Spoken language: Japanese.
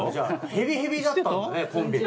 ヘビヘビだったんだねコンビ。